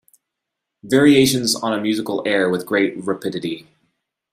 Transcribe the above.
Variations on a musical air With great rapidity.